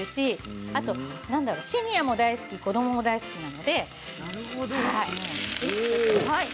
シニアも大好き子どもも大好きです。